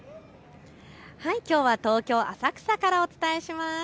きょうは東京浅草からお伝えします。